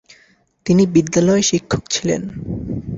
তিনি বিদ্যালয় শিক্ষক ছিলেন।